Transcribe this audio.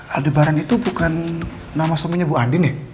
al de baran itu bukan nama suaminya bu andi nih